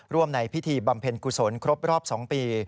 ในพิธีบำเพ็ญกุศลครบรอบ๒ปี